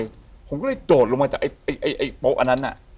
แล้วผมก็ได้โดดลงมาจากไอ้โป๊ะอันนั้น